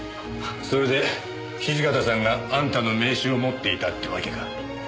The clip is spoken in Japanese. それで土方さんがあんたの名刺を持っていたってわけか。